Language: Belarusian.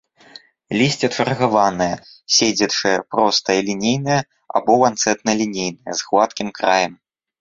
Лісце чаргаванае, сядзячае, простае, лінейнае або ланцэтна-лінейнае, з гладкім краем.